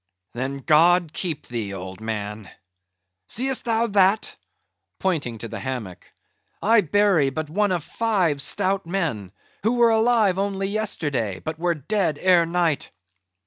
"Then God keep thee, old man—see'st thou that"—pointing to the hammock—"I bury but one of five stout men, who were alive only yesterday; but were dead ere night.